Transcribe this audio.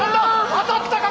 当たったか？